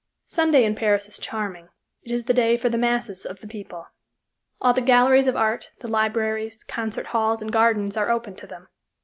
Sunday in Paris is charming it is the day for the masses of the people. All the galleries of art, the libraries, concert halls, and gardens are open to them.